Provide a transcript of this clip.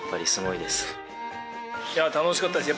いや楽しかったです。